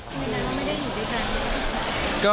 เวลาไม่ได้อยู่ด้วยกันนะครับ